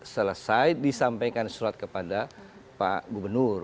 selesai disampaikan surat kepada pak gubernur